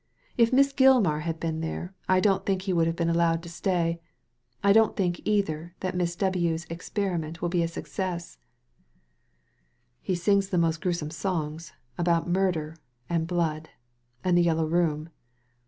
If Miss Gilmar had been there, I don't tiiink he would have been allowed to stay. I don't think, either, that Miss W.'s experiment will be a success." *" He sings the most gruesome songs — about murder, and blood, and the Yellow Room."